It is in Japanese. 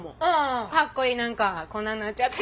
かっこいい何かこんなんなっちゃって。